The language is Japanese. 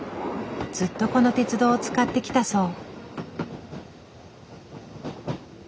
ずっとこの鉄道を使ってきたそう。